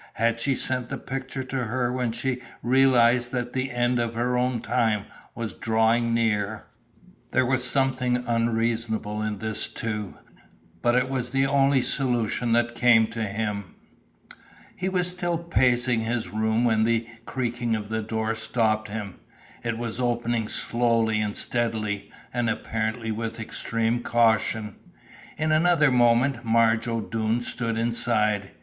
Had she sent the picture to her when she realized that the end of her own time was drawing near? There was something unreasonable in this too, but it was the only solution that came to him. He was still pacing his room when the creaking of the door stopped him. It was opening slowly and steadily and apparently with extreme caution. In another moment Marge O'Doone stood inside.